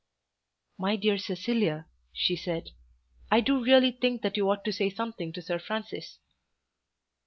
"My dear Cecilia," she said, "I do really think that you ought to say something to Sir Francis."